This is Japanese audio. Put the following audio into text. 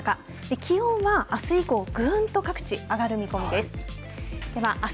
気温はあす以降、ぐんと各地、上がる見込みです。